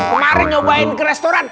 kemarin nyobain ke restoran